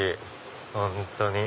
本当に。